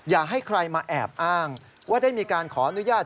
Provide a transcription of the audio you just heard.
อย่าให้ใครมาแอบอ้างว่าได้มีการขออนุญาต